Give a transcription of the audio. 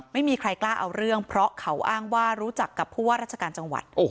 ไม่มีใครกล้าเอาเรื่องเพราะเขาอ้างว่ารู้จักกับผู้ว่าราชการจังหวัด